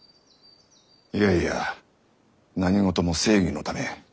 いやいや何事も正義のため。